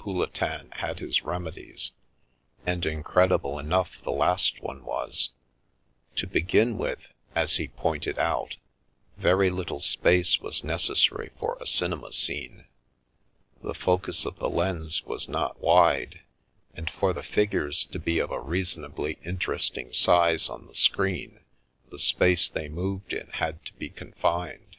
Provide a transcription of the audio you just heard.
Pouletin had his remedies, and incredible enough the last one was. To begin with, as he pointed out, very little space was necessary for a cinema scene. The focus of the lens was not wide ; and for the figures to be of a reasonably inter esting size on the screen, the space they moved in had to be confined.